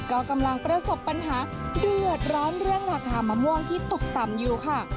ก็กำลังประสบปัญหาเดือดร้อนเรื่องราคามะม่วงที่ตกต่ำอยู่ค่ะ